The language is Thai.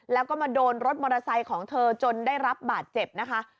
แล้วก็มาโดนรถมอเตอร์ไซค์ของเธอจนได้รับบาดเจ็บนะคะ